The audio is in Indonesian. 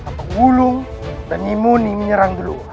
kita biarkan paku wulung dan imuni menyerang duluan